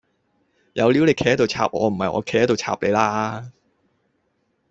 有料你企喺度插我唔係我企喺度插你啦